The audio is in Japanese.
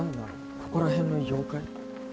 ここら辺の妖怪？